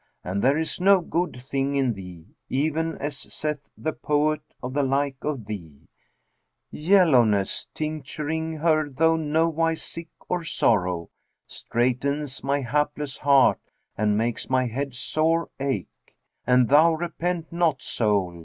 And there is no good thing in thee, even as saith the poet of the like of thee, 'Yellowness, tincturing her tho' nowise sick or sorry, * Straitens my hapless heart and makes my head sore ache; An thou repent not, Soul!